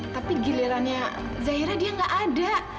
tapi gilirannya zahira dia nggak ada